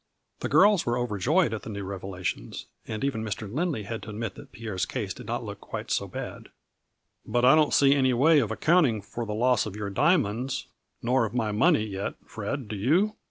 The girls were overjoyed at the new revela tions, and even Mr. Lindley had to admit that Pierre's case did not look quite so bad. " But I don't see any way of accounting for the loss of your diamonds, nor of my money yet, Fred, do you?"